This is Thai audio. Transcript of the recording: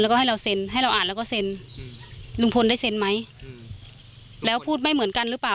แล้วก็ให้เราเซ็นให้เราอ่านแล้วก็เซ็นอืมลุงพลได้เซ็นไหมอืมแล้วพูดไม่เหมือนกันหรือเปล่า